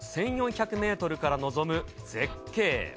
標高１４００メートルから望む絶景。